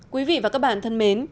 quý vị và các bạn thân mến